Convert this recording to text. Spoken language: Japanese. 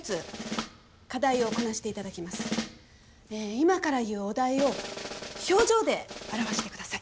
今から言うお題を表情で表してください。